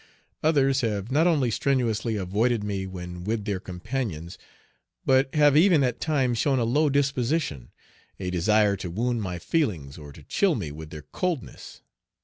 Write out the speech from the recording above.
Others have not only strenuously avoided me when with their companions, but have even at times shown a low disposition, a desire to wound my feelings or to chill me with their coldness.